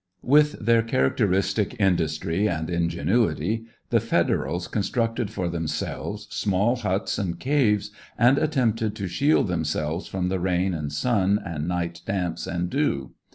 With their characteristic industry and ingenuity, the Federals constructed for themselves small huts and caves, and attempted to shield themselves from the rain and sun, and night damps and dew.